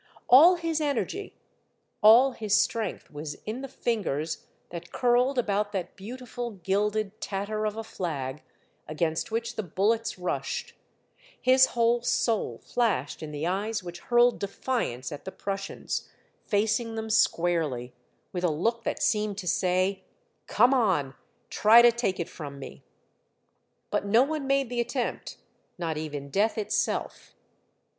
All his energy, all his strength was in the fingers that curled about that beautiful gilded tatter of a flag against which the bullets rushed; his whole soul flashed in the eyes which hurled defiance at the Prussians, facing them squarely, with a look that seemed to say, *' Come on ! Try to take it from me !" But no one made the attempt, not even death itself.